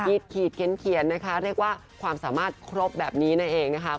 ขีดเขียนนะคะเรียกว่าความสามารถครบแบบนี้นั่นเองนะคะ